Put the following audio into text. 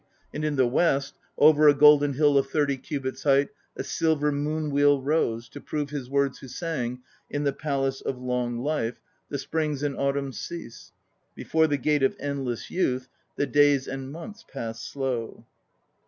And in the west Over a golden hill of thirty cubits height A silver moon wheel rose, To prove his words who sang "In the Palace of Long Life 1 The Springs and Autumns cease. Before the Gate of Endless Youth 2 The days and months pass slow."